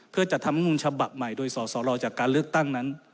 เพื่อจัดทำนุมฉบับใหม่โดยสสลจากการเลือกตั้งนั้น